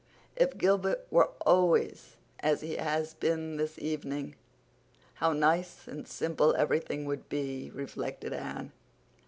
"If Gilbert were always as he has been this evening how nice and simple everything would be," reflected Anne.